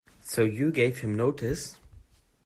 So you gave him notice?